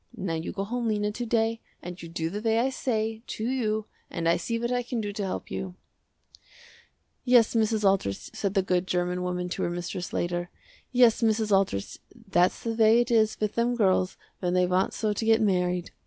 Now you go home Lena to day and you do the way I say, to you, and I see what I can do to help you." "Yes Mrs. Aldrich" said the good german woman to her mistress later, "Yes Mrs. Aldrich that's the way it is with them girls when they want so to get married.